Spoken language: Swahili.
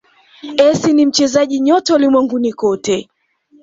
essi ni mchezaji nyota ulimwenguni kote